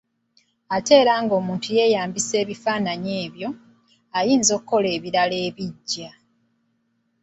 Ate era omuntu nga yeeyambisa ebifaananyi ebyo, ayinza okukola ebirala ebiggya.